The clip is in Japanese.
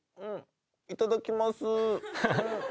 いただきます。